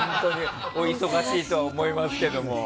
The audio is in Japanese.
お忙しいと思いますけども。